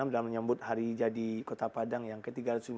dalam menyambut hari jadi kota padang yang ke tiga ratus lima puluh